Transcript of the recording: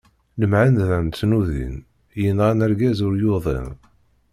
Lemɛenda n tnuḍin, yenɣan argaz ur yuḍin.